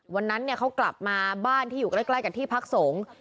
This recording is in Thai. วันนั้นเขากลับมาบ้านที่อยู่ใกล้กับที่พักสงฆ์